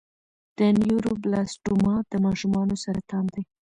د نیوروبلاسټوما د ماشومانو سرطان دی.